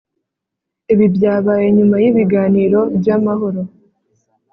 ibi byabaye nyuma y’ibiganiro by’amahoro